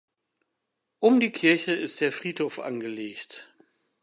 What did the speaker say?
Um die Kirche ist der Friedhof angelegt.